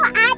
itu ada pak